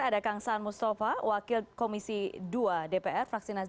ada kang san mustafa wakil komisi dua dpr fraksinas d